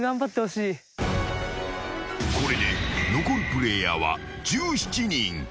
［これで残るプレイヤーは１７人］